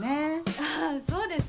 あぁそうですね。